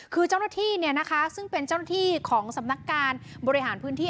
คือเจ้าหน้าที่ซึ่งเป็นเจ้าหน้าที่ของสำนักการบริหารพื้นที่